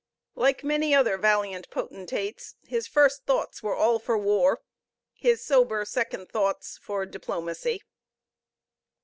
Like many other valiant potentates, his first thoughts were all for war, his sober second thoughts for diplomacy.